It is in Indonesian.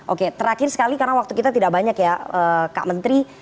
oke terakhir sekali karena waktu kita tidak banyak ya kak menteri